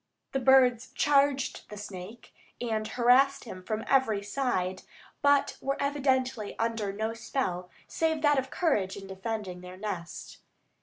The birds charged the snake and harassed him from every side, but were evidently under no spell save that of courage in defending their nest.